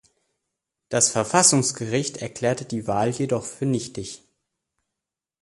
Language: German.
Das Verfassungsgericht erklärte die Wahl jedoch für nichtig.